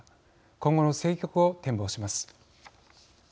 今後の政局を展望します。